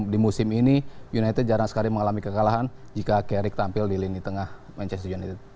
di musim ini united jarang sekali mengalami kekalahan jika carrick tampil di lini tengah manchester united